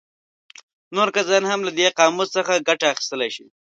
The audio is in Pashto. نور کسان هم له دې قاموس څخه ګټه اخیستلی شي.